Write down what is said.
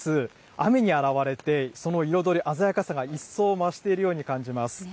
雨にあらわれて、その彩り、鮮やかさが一層増しているように感じます。